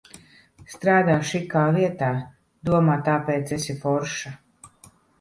Strādā šikā vietā, domā, tāpēc esi forša.